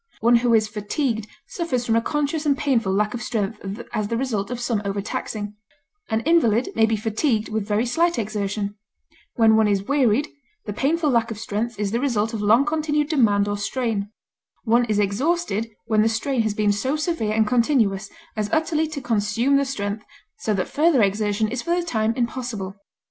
One who is fatigued suffers from a conscious and painful lack of strength as the result of some overtaxing; an invalid may be fatigued with very slight exertion; when one is wearied, the painful lack of strength is the result of long continued demand or strain; one is exhausted when the strain has been so severe and continuous as utterly to consume the strength, so that further exertion is for the time impossible.